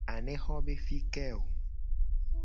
Anexo be fi ke o ?